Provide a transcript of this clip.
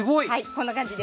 こんな感じで。